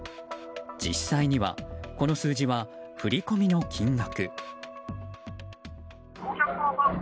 実際にはこの数字は振り込みの金額。